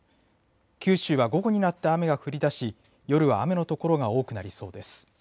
九州は午後になって雨が降りだし夜は雨の所が多くなりそうです。